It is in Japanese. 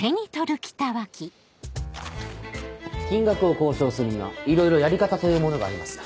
金額を交渉するにはいろいろやり方というものがあります。